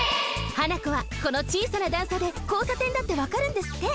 ハナコはこのちいさな段差でこうさてんだってわかるんですって！